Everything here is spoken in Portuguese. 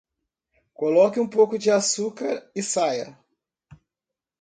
Coloque um pouco de açúcar e saia.